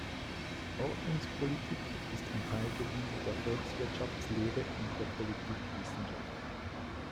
Ordnungspolitik ist ein Teilgebiet der Volkswirtschaftslehre und der Politikwissenschaft.